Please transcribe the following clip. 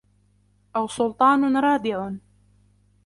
أَوْ سُلْطَانٌ رَادِعٌ